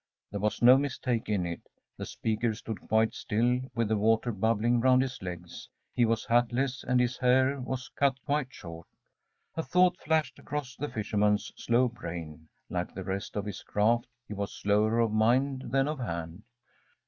There was no mistaking it. The speaker stood quite still, with the water bubbling round his legs. He was hatless, and his hair was cut quite short. A thought flashed across the fisherman's slow brain. Like the rest of his craft, he was slower of mind than of hand.